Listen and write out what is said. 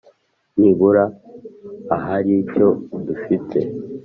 nibura aharicyo dufite